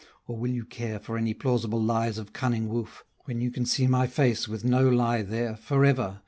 or will you care For any plausible lies of cunning woof, When you can see my face with no lie there For ever?